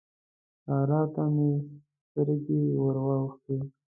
سارا ته مې سترګې ور واوښتې.